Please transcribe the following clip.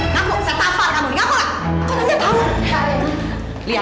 ngaku saya tampar kamu ngaku gak